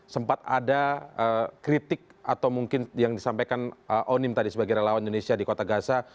sempat ada kritik atau mungkin yang disampaikan onim tadi sebagai relawan indonesia di kota gaza